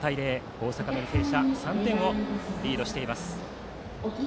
大阪・履正社は３点をリードしています。